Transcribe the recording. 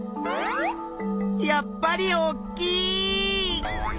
やっぱりおっきいっ！